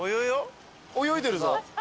泳いでるぞ。